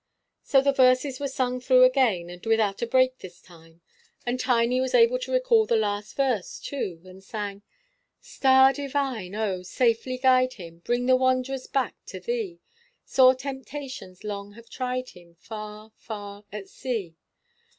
So the verses were sung through again, and without a break this time; and Tiny was able to recall the last verse, too, and sang "Star Divine, oh! safely guide him, Bring the wanderer back to Thee; Sore temptations long have tried him, Far, far at sea."